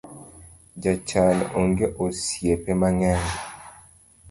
Jochan onge osiepe mang’eny